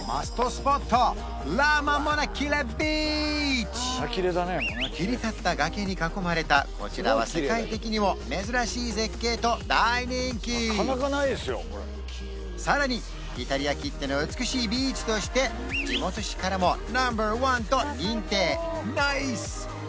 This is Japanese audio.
スポット切り立った崖に囲まれたこちらは世界的にも珍しい絶景と大人気さらにイタリアきっての美しいビーチとして地元紙からもナンバーワンと認定ナイス！